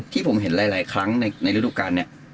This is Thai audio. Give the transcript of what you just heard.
ที่ผมเห็นหลายครั้งในฤดูการเนี่ย